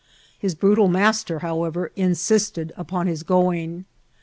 His brutal master, however, insisted upon his going.